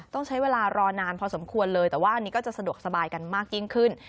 ต้องใช้เวลารอนานพอสมควรเลยแต่ว่าอันนี้ก็จะสะดวกสบายกันมากยิ่งขึ้น